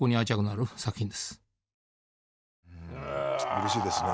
うれしいですね。